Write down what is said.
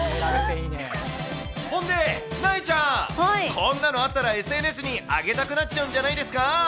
そんで、なえちゃん、こんなのあったらＳＮＳに上げたくなっちゃうんじゃないですか？